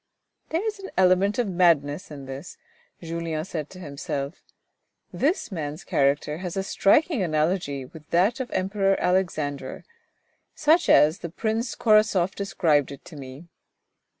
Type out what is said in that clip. " There is an element of madness in this," Julien said to himself. This man's character has a striking analogy with that of the Emperor Alexander, such as the Prince Korasoff described it to me.